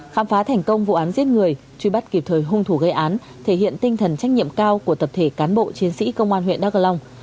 khám phá thành công vụ án giết người truy bắt kịp thời hung thủ gây án thể hiện tinh thần trách nhiệm cao của tập thể cán bộ chiến sĩ công an huyện đắk cờ long